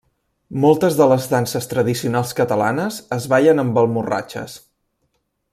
Moltes de les danses tradicionals catalanes es ballen amb almorratxes.